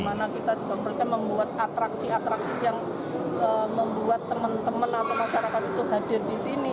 dimana kita juga mereka membuat atraksi atraksi yang membuat teman teman atau masyarakat itu hadir di sini